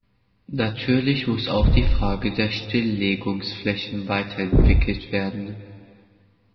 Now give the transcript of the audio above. Natürlich muss auch die Frage der Stilllegungsflächen weiterentwickelt werden.